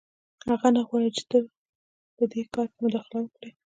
هغه نه غواړي چې ته په دې کار کې مداخله وکړې